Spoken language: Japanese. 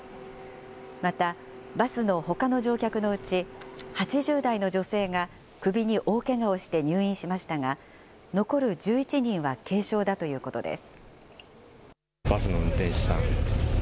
また、バスのほかの乗客のうち、８０代の女性が首に大けがをして入院しましたが、残る１１人は軽傷だということです。